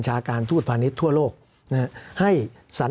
สำหรับกำลังการผลิตหน้ากากอนามัย